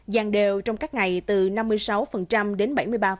dàn đều trong các ngày từ năm mươi sáu đến bảy mươi ba